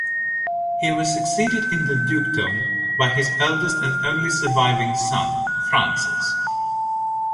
He was succeeded in the dukedom by his eldest and only surviving son, Francis.